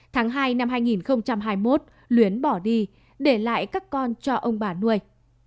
tháng hai năm hai nghìn hai mươi một luyến bỏ đi để lại các con cho ông bà nuôi